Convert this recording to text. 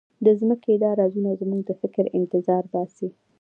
د ځمکې دا رازونه زموږ د فکر انتظار باسي.